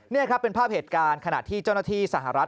นี่ครับเป็นภาพเหตุการณ์ขณะที่เจ้าหน้าที่สหรัฐ